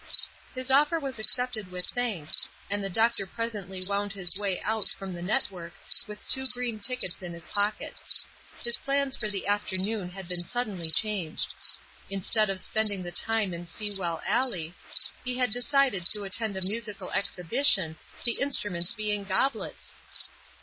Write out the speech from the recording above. His offer was accepted with thanks, and the doctor presently wound his way out from the network with two green tickets in his pocket. His plans for the afternoon had been suddenly changed. Instead of spending the time in Sewell alley, he had decided to attend a musical exhibition, the instruments being goblets!